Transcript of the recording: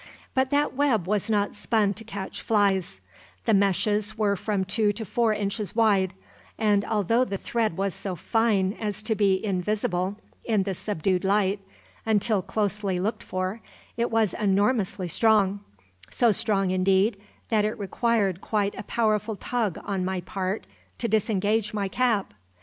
But that web was not spun to catch flies; the meshes were from two to four inches wide; and although the thread was so fine as to be invisible in the subdued light, until closely looked for, it was enormously strong; so strong indeed that it required quite a powerful tug on my part to disengage my cap.